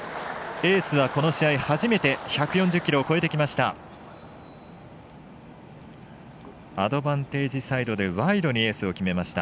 エースはこの試合初めて１４０キロを超えてきました。